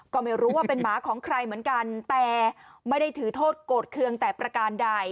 ก็ไม่รู้ว่าเป็นหมาของใครเหมือนกันแต่ไม่ได้ถือโทษโกรธเครื่องแต่ประการใด